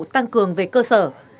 tăng cường về cơ sở